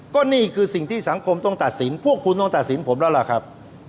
ก็นี่คือสิ่งที่สังคมต้องตัดสินพวกคุณต้องตัดสินผมแล้วล่ะครับ